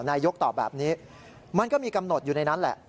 นายกตอบแบบนี้มันก็มีกำหนดอยู่ในนั้นแหละ